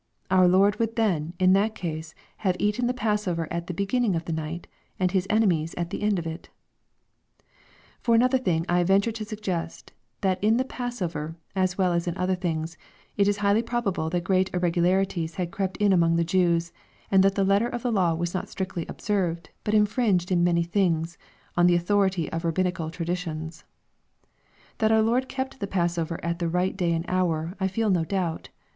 Our Lord would then, in that case, have eaten the passover at the beginning of the nighty and his enemies at the end of it For another thing, I venture to suggest, that in the passover, as well as in other things, it is highly probable that great irregulari ties had crept in among the Jews, and that the letter of the law was not strictly observed, but infringed in many things, on the au thority of rabbinical traditions. That our Lord kept the passover at the right day and hour, I feel no doubt.